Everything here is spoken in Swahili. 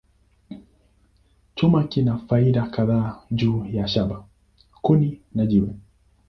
Chuma kina faida kadhaa juu ya shaba, kuni, na jiwe.